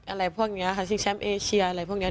อะไรพวกนี้ค่ะชิงแชมป์เอเชียอะไรพวกนี้